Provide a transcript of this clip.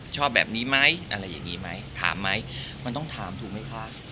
ชอบแบบนี้ไหมอะไรอย่างนี้ไหมถามไหมมันต้องถามถูกไหมคะ